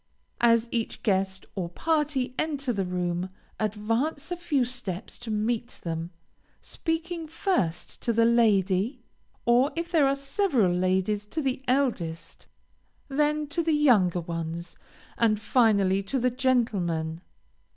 As each guest or party enter the room, advance a few steps to meet them, speaking first to the lady, or if there are several ladies, to the eldest, then to the younger ones, and finally to the gentlemen.